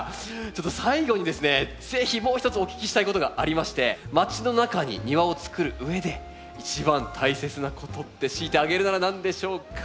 ちょっと最後にですね是非もう一つお聞きしたいことがありましてまちの中に庭をつくるうえで一番大切なことって強いて挙げるなら何でしょうか？